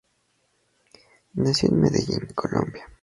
Nació en Medellín, Colombia.